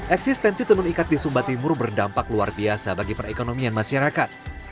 eksistensi tenun ikat di sumba timur berdampak luar biasa bagi perekonomian masyarakat